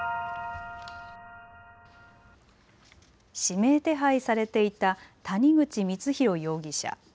指名手配されていた谷口光弘容疑者。